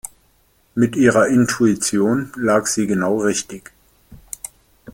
Mit ihrer Intuition lag sie genau richtig.